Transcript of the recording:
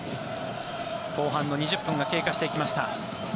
後半の２０分が経過していきました。